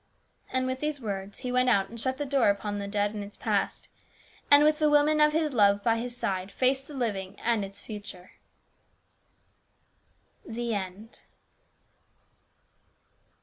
And with these words he went out and shut the door upon the dead and its past ; and with the woman of his love by his side faced the living and its future, THE END.